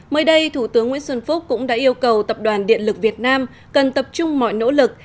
mới đây thủ tướng nguyễn xuân phúc cũng đã yêu cầu tập đoàn điện lực việt nam cần tập trung mọi nỗ lực